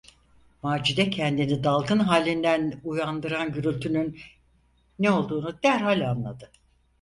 Macide kendini dalgın halinden uyandıran gürültünün ne olduğunu derhal anladı.